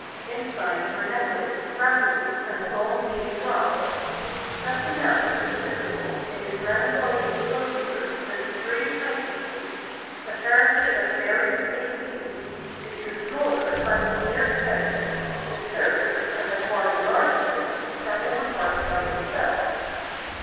Inside were nettles, biambles, and long weedy grass. Nothing else was visible in this melancholy enclosure but three cypresses, apparently of various ages, the two smaller planted near together, the third, and by far the largest, standing apart by itself.